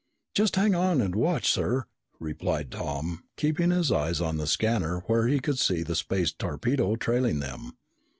"Just hang on and watch, sir," replied Tom, keeping his eyes on the scanner where he could see the space torpedo trailing them.